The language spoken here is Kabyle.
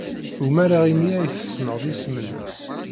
Umareɣ imi ay tessned isem-nnes.